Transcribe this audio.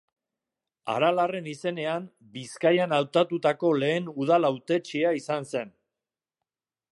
Aralarren izenean Bizkaian hautatutako lehen udal hautetsia izan zen.